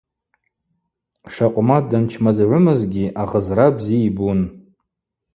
Шакъвмат данчмазагӏвымызгьи агъзра бзи йбун.